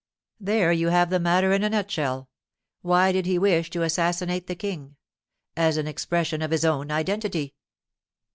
'There you have the matter in a nutshell. Why did he wish to assassinate the King? As an expression of his own identity.